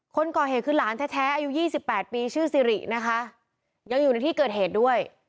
คนก่อเหตุคือหลานแท้อายุ๒๘ปีชื่อสิรินะคะยังอยู่ในที่เกิดเหตุด้วย